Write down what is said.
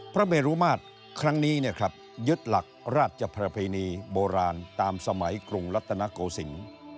พระเมรุมาตรครั้งนี้ยึดหลักราชประเพณีโบราณตามสมัยกรุงรัตนโกศิลป์